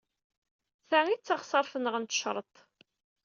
Ta i d taɣsert-nneɣ n taceṛt.